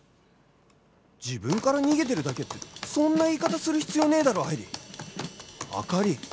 自分から逃げてるだけってそんな言い方する必要ねえだろ愛理